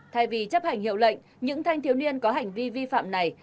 thay vì chấp hành hiệu lệnh những thanh thiếu niên có hành vi vi phạm này